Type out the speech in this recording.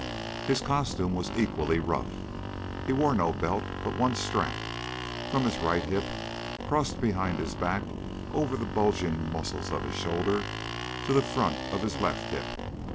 His costume was equally rough. He wore no belt, but one strap, from his right hip, crossed behind his back, over the bulging muscles of his shoulder to the front of his left hip.